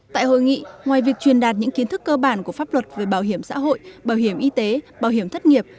tại hội nghị ngoài việc truyền đạt những kiến thức cơ bản của pháp luật về bảo hiểm xã hội bảo hiểm y tế bảo hiểm thất nghiệp